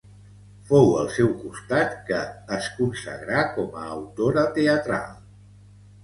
Fou al seu costat que es consagrà com a autora teatral.